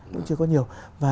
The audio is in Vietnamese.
cũng chưa có nhiều